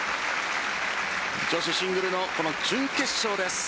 女子シングルのこの準決勝です。